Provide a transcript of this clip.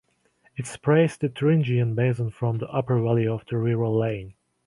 It separates the Thuringian Basin from the upper valley of the river Leine.